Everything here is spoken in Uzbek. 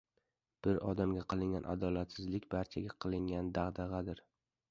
Bir odamga qilingan adolatsizlik barchaga qilingan dag‘dag‘adir.